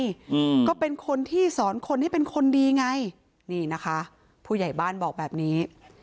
อืมก็เป็นคนที่สอนคนให้เป็นคนดีไงนี่นะคะผู้ใหญ่บ้านบอกแบบนี้